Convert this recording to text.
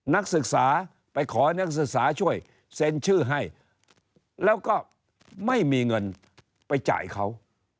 นักศึกษาไปขอให้นักศึกษาช่วยเซ็นชื่อให้แล้วก็ไม่มีเงินไปจ่ายเขา